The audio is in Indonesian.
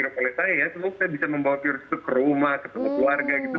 tapi kalau saya ya semoga saya bisa membawa virus itu ke rumah ke keluarga gitu